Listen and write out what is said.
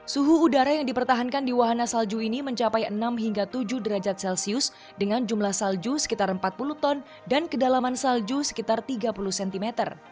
suhu udara yang dipertahankan di wahana salju ini mencapai enam hingga tujuh derajat celcius dengan jumlah salju sekitar empat puluh ton dan kedalaman salju sekitar tiga puluh cm